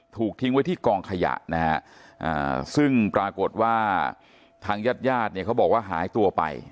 ถูกทิ้งไว้ที่กองขยะนะฮะซึ่งปรากฏว่าทางญาติญาติเนี่ยเขาบอกว่าหายตัวไป